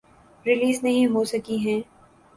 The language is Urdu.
ریلیز نہیں ہوسکی ہیں۔